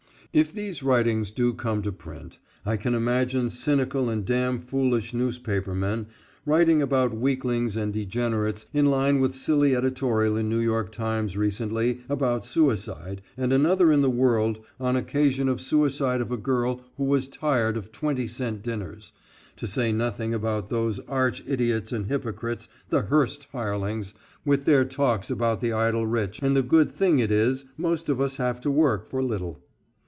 If these writings do come to print I can imagine cynical and damn foolish newspapermen writing about weaklings and degenerates in line with silly editorial in New York Times recently about suicide and another in the World on occasion of suicide of a girl who was tired of 20 cent dinners, to say nothing about those arch idiots and hypocrites, the Hearst hirelings with their talks about the idle rich and the good thing it is most of us have to work for little.